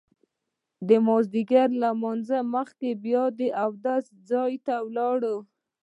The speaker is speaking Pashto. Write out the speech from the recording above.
د مازیګر له لمانځه مخکې بیا د اوداسه ځای ته لاړم.